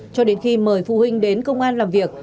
cho đến khi mời phụ huynh đến công an làm việc